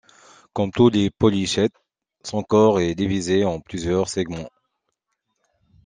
Comme tous les polychètes, son corps est divisé en plusieurs segments.